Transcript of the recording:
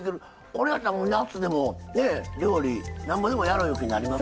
これやったら夏でも料理なんぼでもやろういう気になりますね。